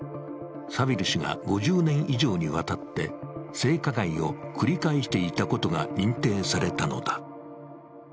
サヴィル氏が５０年以上にわたって性加害を繰り返してきたことが認定されたのだ。